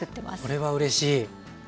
これはうれしい。